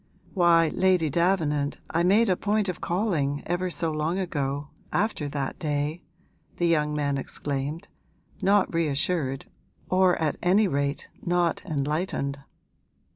'Why, Lady Davenant, I made a point of calling, ever so long ago after that day!' the young man exclaimed, not reassured, or at any rate not enlightened.